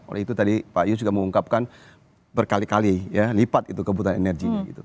oleh itu tadi pak yus juga mengungkapkan berkali kali ya lipat itu kebutuhan energinya gitu